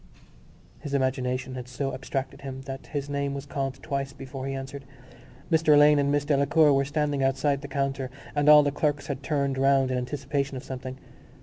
His imagination had so abstracted him that his name was called twice before he answered. Mr Alleyne and Miss Delacour were standing outside the counter and all the clerks had turned round in anticipation of something.